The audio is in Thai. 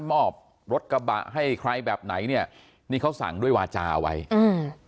มอบรถกระบะให้ใครแบบไหนเนี้ยนี่เขาสั่งด้วยวาจาเอาไว้อืม